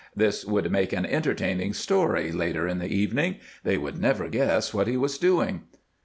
This would make an entertaining story, later in the evening; they would never guess what he was doing.